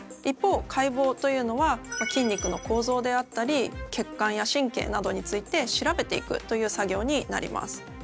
一方解剖というのは筋肉の構造であったり血管や神経などについて調べていくという作業になります。